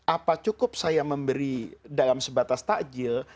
apa cukup saya memberi dalam sebatas takjil